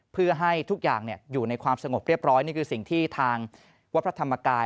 เพื่อให้ทุกอย่างอยู่ในความสงบเรียบร้อยนี่คือสิ่งที่ทางวัดพระธรรมกาย